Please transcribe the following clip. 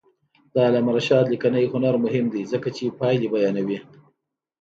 د علامه رشاد لیکنی هنر مهم دی ځکه چې پایلې بیانوي.